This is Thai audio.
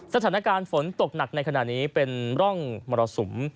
สถานการณ์ฝนตกหนักในขณะนี้เป็นร่องมรสุม